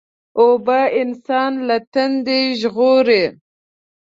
اوبه انسان له تندې ژغوري.